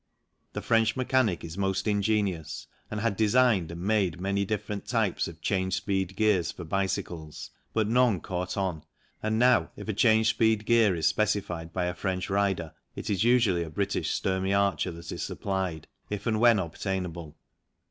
The French mechanic is most ingenious and had designed and made many 84 THE BICYCLE ON THE CONTINENT 85 different types of change speed gears for bicycles, but none caught on, and now if a change speed gear is specified by a French rider it is usually a British Sturmey Archer that is supplied, if and when obtainable.